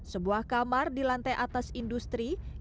sebuah kamar di lantai atas industri